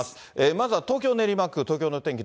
まずは東京・練馬区、東京のお天気